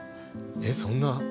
えっそんな。